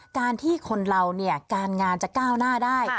การที่คนเราเนี่ยการงานจะก้าวหน้าได้